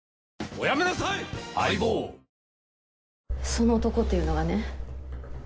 その男っていうのがね。